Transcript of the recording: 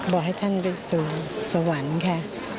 บอกให้ท่านไปสู่สวรรค์ค่ะ